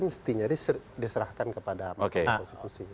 mesti diserahkan kepada konstitusi